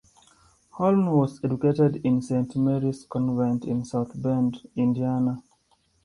Holmes was educated in Saint Mary's Convent in South Bend, Indiana.